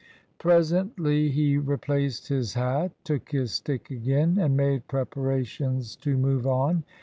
Presently he replaced his hat, took his stick again, and made preparations to move on.